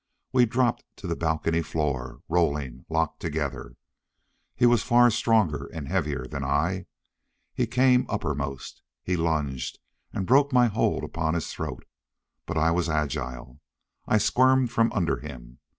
We dropped to the balcony floor, rolling, locked together. He was far stronger and heavier than I. He came uppermost. He lunged and broke my hold upon his throat, but I was agile: I squirmed from under him.